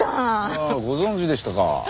ああご存じでしたか。